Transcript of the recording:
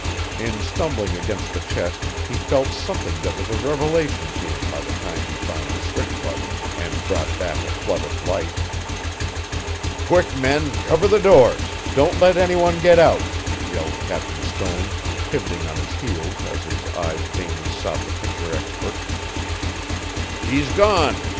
In stumbling against the chest he felt something that was a revelation to him by the time he found the switch button and brought back a flood of light. "Quick, men, cover the doors don't let any one get out," yelled Captain Stone, pivoting on his heel as his eyes vainly sought the picture expert. "He's gone!"